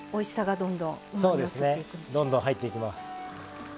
どんどん入っていきます。